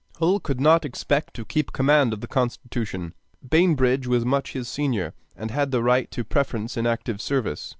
Hull could not expect to keep command of the Constitution. Bainbridge was much his senior, and had the right to a preference in active service.